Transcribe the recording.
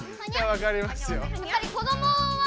わかりますよ。